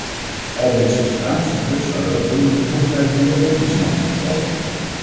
Al dit soort vraagstukken zouden ook onder de bevoegdheid van de ombudsman moeten vallen.